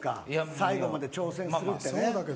最後まで挑戦するってね。